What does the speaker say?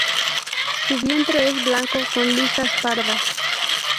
Su vientre es blanco con listas pardas.